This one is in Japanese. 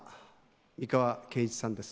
美川憲一さんです。